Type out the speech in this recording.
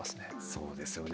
そうですよね。